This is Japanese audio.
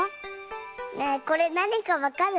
ねえこれなにかわかる？